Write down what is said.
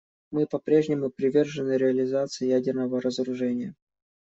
Мы по-прежнему привержены реализации ядерного разоружения.